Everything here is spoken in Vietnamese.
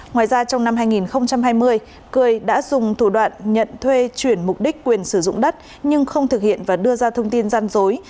ngoài ra trong năm hai nghìn hai mươi cười đã dùng thủ đoạn nhận thuê chuyển mục đích quyền sử dụng đất nhưng không thực hiện và đưa ra thông tin gian dối